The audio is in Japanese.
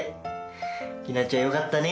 きなちゃんよかったね。